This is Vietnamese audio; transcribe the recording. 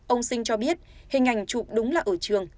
ông sinh cho biết hình ảnh chụp đúng là ở trường